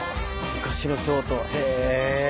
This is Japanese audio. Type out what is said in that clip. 昔の京都。へ！